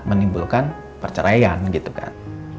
menimbulkan perceraian gitu kan